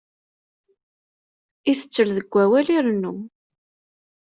Itettel deg awal irennu.